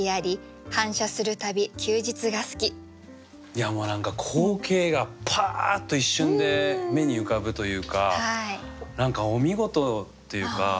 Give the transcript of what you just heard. いやもう何か光景がパーッと一瞬で目に浮かぶというか何かお見事というか。